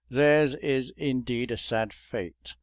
Theirs is indeed a sad fate.